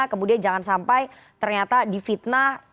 kemudian jangan sampai ternyata di fitnah